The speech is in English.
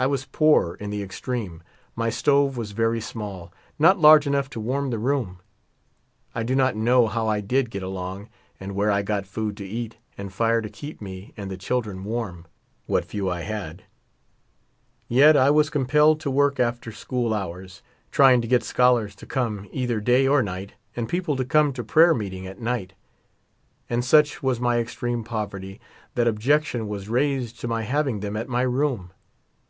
I was poor in the extreme ; my stove was very small — not large enough to warm the room. I do not know how I did get along and where I got food to eat and fire to keep me and the children warm, what few 19 I had ; yet I was compelled to work after school hours, trying to get scholars to come either day or night, and people to come to prayer meeting at night ; and such was my extreme poverty that objection was raised to my having them at my room.